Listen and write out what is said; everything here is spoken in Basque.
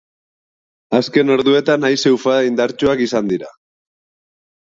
Azken orduetan haize ufada indartsuak izan dira.